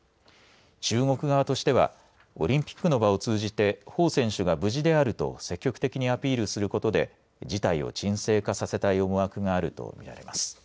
中国側としてはオリンピックの場を通じて彭選手が無事であると積極的にアピールすることで事態を沈静化させたい思惑があると見られます。